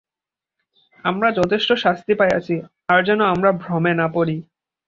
আমরা যথেষ্ট শাস্তি পাইয়াছি, আর যেন আমরা ভ্রমে না পড়ি।